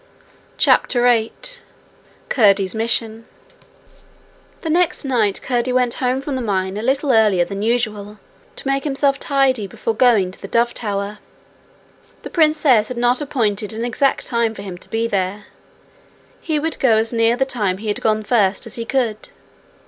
CHAPTER 8 Curdie's Mission The next night Curdie went home from the mine a little earlier than usual, to make himself tidy before going to the dove tower. The princess had not appointed an exact time for him to be there; he would go as near the time he had gone first as he could.